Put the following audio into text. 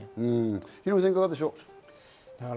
ヒロミさん、いかがでしょうか？